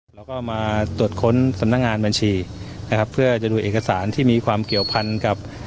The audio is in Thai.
เราก็มาตรวจค้นสำนักงานบัญชีนะครับเพื่อจะดูเอกสารที่มีความเกี่ยวพันกับ